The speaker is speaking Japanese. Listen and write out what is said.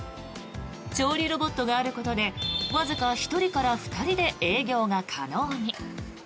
調理ロボットがあることでわずか１人から２人で営業が可能に。